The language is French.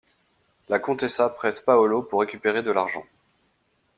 La Contessa presse Paolo pour récupérer de l'argent.